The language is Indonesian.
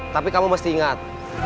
tapi kamu mesti ingat